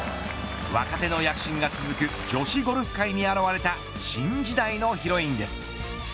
若手の躍進が続く女子ゴルフ界に現れた新時代のヒロインです。